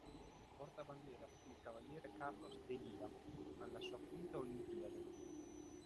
Portabandiera fu il cavaliere Carlos D'Elía, alla sua quinta Olimpiade.